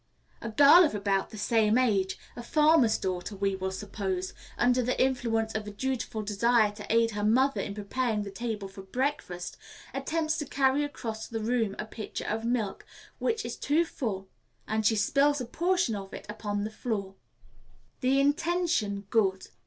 A girl of about the same age a farmer's daughter, we will suppose under the influence of a dutiful desire to aid her mother in preparing the table for breakfast, attempts to carry across the room a pitcher of milk which is too full, and she spills a portion of it upon the floor. The Intention good. [Illustration: THE INTENTION GOOD.